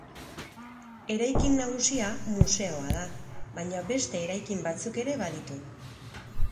Eraikin nagusia museoa da baina beste eraikin batzuk ere baditu.